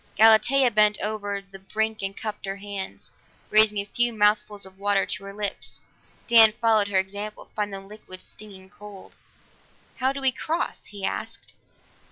Galatea bent over the brink and cupped her hands, raising a few mouthfuls of water to her lips; Dan followed her example, finding the liquid stinging cold. "How do we cross?" he asked.